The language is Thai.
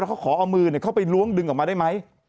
เขาขอเอามือเข้าไปล้วงดึงออกมาได้ไหม